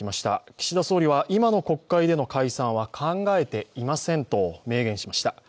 岸田総理は今の国会での解散は考えていませんと明言しました。